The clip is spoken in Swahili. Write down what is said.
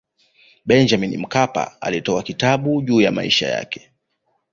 Benjamin Mkapa alitoa kitabu juu ya maisha yake